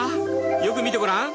よく見てごらん。